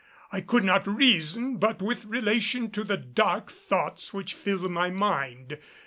I could not reason but with relation to the dark thoughts which filled my mind.